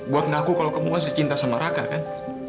buat ngaku kalau kamu masih cinta sama raka kan